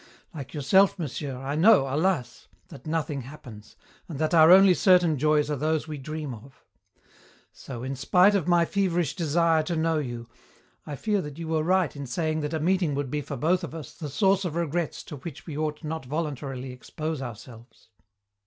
Like yourself, monsieur, I know, alas! that nothing happens, and that our only certain joys are those we dream of. So, in spite of my feverish desire to know you, I fear that you were right in saying that a meeting would be for both of us the source of regrets to which we ought not voluntarily expose ourselves....'